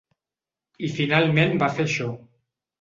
I finalment va fer això.